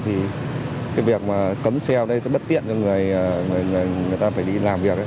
thì cái việc mà cấm xe ở đây sẽ bất tiện cho người ta phải đi làm việc